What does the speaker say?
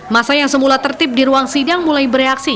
masa yang semula tertib di ruang sidang mulai bereaksi